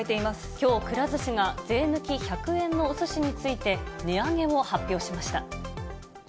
きょう、くら寿司が税抜き１００円のおすしについて、値上げを発表しました。